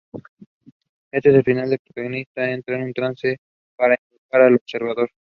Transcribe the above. En ese final la protagonista entra en un trance para invocar al Observador.